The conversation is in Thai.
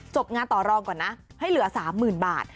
งานต่อรองก่อนนะให้เหลือ๓๐๐๐บาท